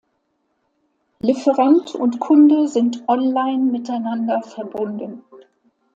Lieferant und Kunde sind online miteinander verbunden.